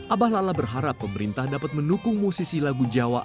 abah lala berharap pemerintah dapat mendukung musisi lagu jawa